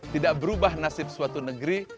tidak berubah nasib suatu negeri